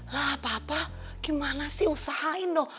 lah papa gimana sih usahain dong